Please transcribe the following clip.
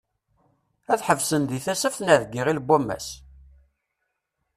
Ad ḥebsen deg Tasaft neɣ deg Iɣil n wammas?